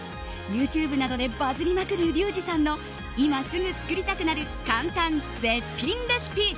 ＹｏｕＴｕｂｅなどでバズりまくるリュウジさんの今すぐ作りたくなる簡単絶品レシピ。